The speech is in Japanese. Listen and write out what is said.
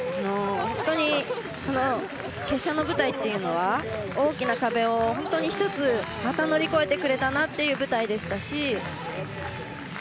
本当に決勝の舞台というのは大きな壁を本当に、１つまた乗り越えてくれたなという舞台でしたし。